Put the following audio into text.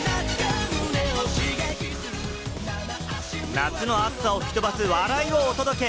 夏の暑さを吹き飛ばす笑いをお届け！